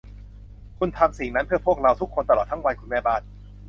คุณทำสิ่งนั้นเพื่อพวกเราทุกคนตลอดทั้งวัน คุณแม่บ้าน